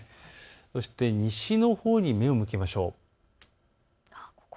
そして西のほうに目を向けましょう。